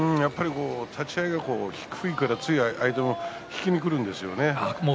立ち合いが低いからつい相手も引きにくるんですね。